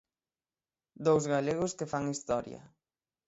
Dous galegos que fan historia.